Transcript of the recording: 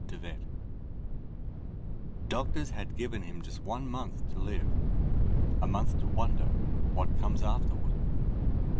De Vet_ Doctors had given him just one month to live. A month to wonder, what comes afterward?